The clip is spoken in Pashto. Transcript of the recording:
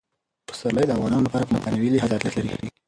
پسرلی د افغانانو لپاره په معنوي لحاظ ارزښت لري.